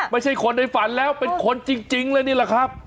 ไม่ใช่คนในฝันแล้วเป็นคนจริงเลยนี่แหละครับ